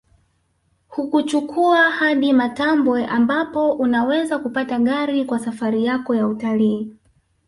Hukuchukua hadi Matambwe ambapo unaweza kupata gari kwa safari yako ya utalii